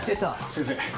先生